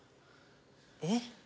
えっ？